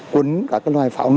quấn các loại pháo nổ